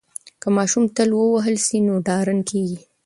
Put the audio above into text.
که ماشوم تل ووهل سي نو ډارن کیږي.